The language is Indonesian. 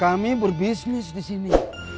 kami berbisnis di sini